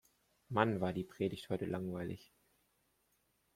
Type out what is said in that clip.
Mann, war die Predigt heute langweilig!